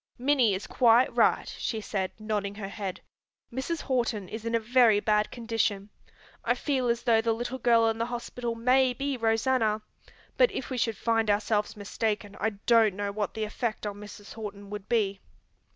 "Minnie is quite right," she said, nodding her head. "Mrs. Horton is in a very bad condition. I feel as though the little girl in the hospital may be Rosanna, but if we should find ourselves mistaken I don't know what the effect on Mrs. Horton would be.